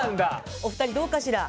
お二人どうかしら？